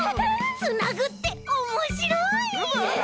つなぐっておもしろい！